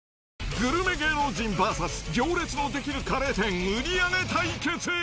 グルメ芸能人ＶＳ行列の出来るカレー店、売り上げ対決。